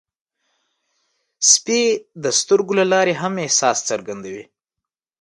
سپي د سترګو له لارې هم احساس څرګندوي.